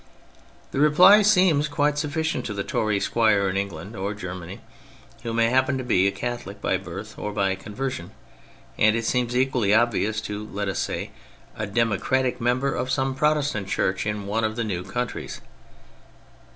The reply seems quite sufficient to the Tory squire in England or Germany, who may happen to be a Catholic by birth or by conversion; and it seems equally obvious to (let us say) a democratic member of some Protestant Church in one of the new countries.